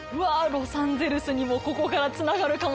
ロサンゼルスにもここからつながるかもしれない。